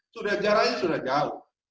sudah jaraknya sudah jauh